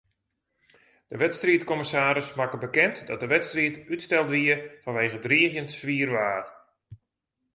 De wedstriidkommissaris makke bekend dat de wedstriid útsteld wie fanwege driigjend swier waar.